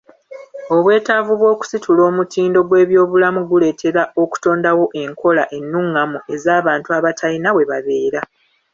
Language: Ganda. Obwetaavu bw'okusitula omutindo gw'ebyobulamu guleetera okutondawo enkola ennungamu ez'abantu abatayina we babeera.